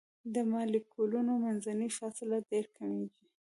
د مالیکولونو منځنۍ فاصله ډیره کمیږي.